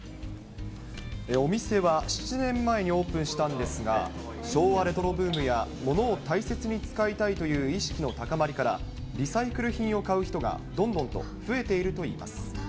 お店は７年前にオープンしたんですが、昭和レトロブームや、物を大切に使いたいという意識の高まりから、リサイクル品を買う人がどんどんと増えているといいます。